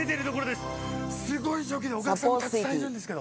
すごい状況でお客さんもたくさんいるんですけど。